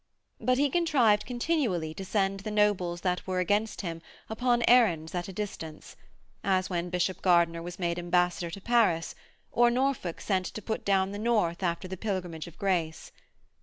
But he contrived continually to send the nobles that were against him upon errands at a distance as when Bishop Gardiner was made Ambassador to Paris, or Norfolk sent to put down the North after the Pilgrimage of Grace.